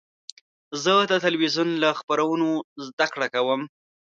زه د تلویزیون له خپرونو زده کړه کوم.